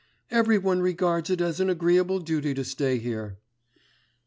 'Every one regards it as an agreeable duty to stay here.